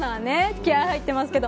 気合入ってますけど。